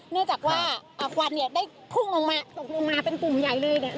เนื่องจากว่าควันเนี่ยได้พุ่งลงมาตกลงมาเป็นกลุ่มใหญ่เลยเนี่ย